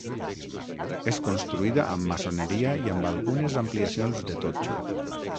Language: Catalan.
És construïda amb maçoneria i amb algunes ampliacions de totxo.